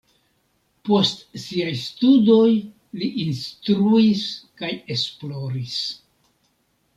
Post siaj studoj li instruis kaj esploris.